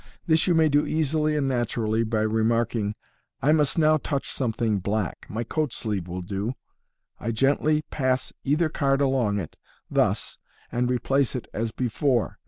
This you may do easily and naturally by remarking, " I must now touch something black ; my coat sleeve will do. I gently pass either card along it, thus, and replace it as before.